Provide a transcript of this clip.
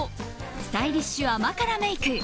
スタイリッシュ甘辛メイク。